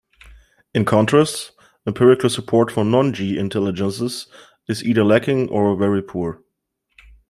In contrast, empirical support for non-"g" intelligences is either lacking or very poor.